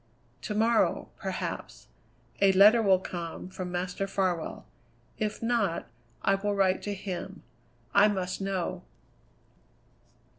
"To morrow, perhaps, a letter will come from Master Farwell; if not, I will write to him. I must know."